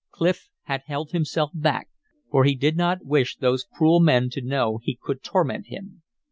Clif had held himself back, for he did not wish those cruel men to know he could torment him.